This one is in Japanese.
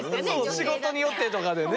仕事によってとかでね。